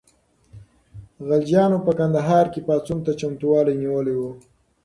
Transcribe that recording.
غلجیانو په کندهار کې پاڅون ته چمتووالی نیولی و.